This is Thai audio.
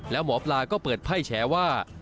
แล้วหมอปลาก็เปิดไพ่แฉว่า